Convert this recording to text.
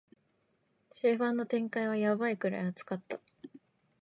終盤の展開はヤバいくらい熱かった